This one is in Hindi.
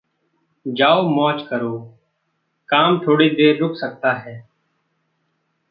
जाओ मौज करो। काम थोड़ी देर रुक सकता है।